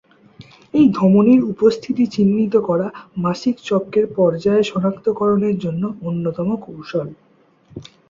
এই ধমনীর উপস্থিতি চিহ্নিত করা মাসিক চক্রের পর্যায় সনাক্তকরণের জন্য অন্যতম কৌশল।